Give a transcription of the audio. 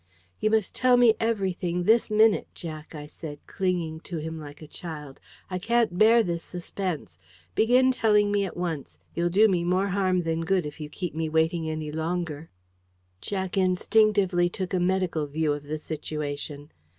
"You must tell me everything this minute Jack," I said, clinging to him like a child. "I can't bear this suspense. Begin telling me at once. You'll do me more harm than good if you keep me waiting any longer." Jack took instinctively a medical view of the situation.